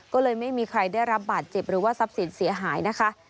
ก็เลยไม่มีใครได้รับบาดเจ็บหรือว่าทรัพย์สินเสียหายนะคะ